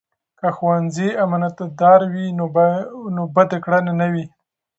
که ښوونځي امانتدار وي، نو بدې کړنې نه وي.